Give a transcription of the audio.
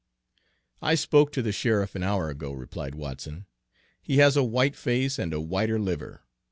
"I spoke to the sheriff an hour ago," replied Watson. "He has a white face and a whiter liver.